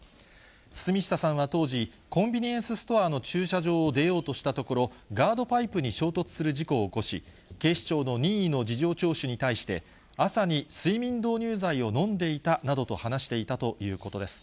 堤下さんは当時、コンビニエンスストアの駐車場を出ようとしたところ、ガードパイプに衝突する事故を起こし、警視庁の任意の事情聴取に対して、朝に睡眠導入剤を飲んでいたなどと話していたということです。